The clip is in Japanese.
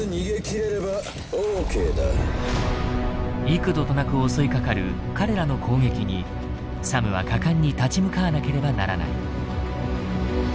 幾度となく襲いかかる彼らの攻撃にサムは果敢に立ち向かわなければならない。